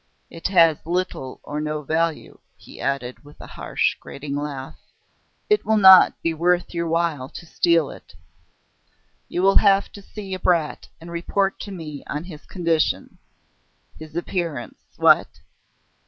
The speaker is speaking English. It has little or no value," he added with a harsh, grating laugh. "It will not be worth your while to steal it. You will have to see a brat and report to me on his condition his appearance, what?...